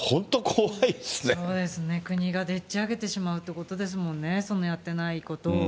そうですね、国がでっちあげてしまうということですもんね、そのやってないことを。